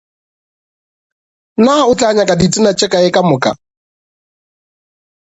Naa o tla nyaka ditena tše kae ka moka?